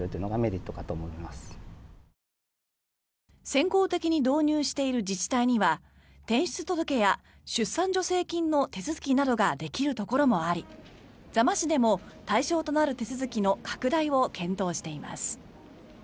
先行的に導入している自治体には転出届や出産助成金の手続きなどができるところもあり座間市でも対象となる手続きの拡大を検討しています。